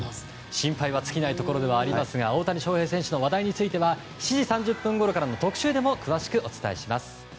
心配は尽きないところですが大谷翔平選手の話題については７時３０分ごろからの特集でも詳しくお伝えします。